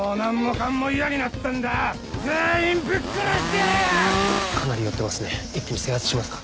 かなり酔ってますね